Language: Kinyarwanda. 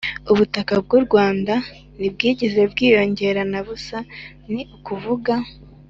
ubutaka bw'u rwanda ntibwigeze bwiyongera na busa. ni ukuvuga